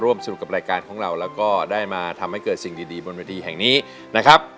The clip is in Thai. ร่วมสรุปกับรายการของเราและก็ได้มาทำให้เกิดสิ่งดีบอร์ดอีกทีแห่งนี้นะครับ